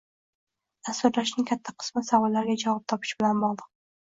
Dasturlashning katta qismi savollarga javob topish bilan bog’liq